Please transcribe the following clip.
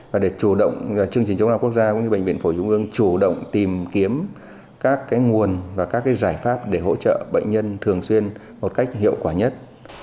và để chủ động chương trình chống lao quốc gia cũng như bệnh viện phổ trung ương chủ động tìm kiếm các nguồn và các giải pháp để hỗ trợ bệnh nhân thường xuyên một cách hiệu quả nhất